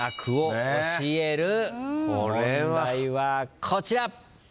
問題はこちら。